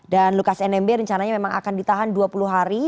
dan lukas nmb rencananya akan ditahan dua puluh hari